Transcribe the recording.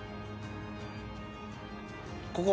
ここ。